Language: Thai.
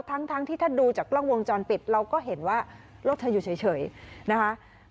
ทั้งที่ถ้าดูจากกล้องวงจรปิดเราก็เห็นว่ารถเธออยู่เฉยนะคะ